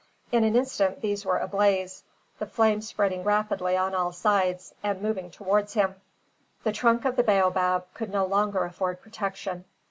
In an instant these were ablaze, the flame spreading rapidly on all sides, and moving towards him. The trunk of the baobab could no longer afford protection.